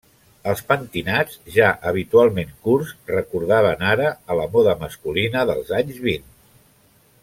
Els pentinats, ja habitualment curts, recordaven ara a la moda masculina dels anys vint.